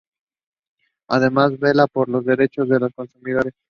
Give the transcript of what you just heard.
Además vela por los derechos de los consumidores.